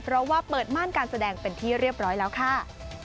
เพราะว่าเปิดม่านการแสดงเป็นที่เรียบร้อยแล้วค่ะ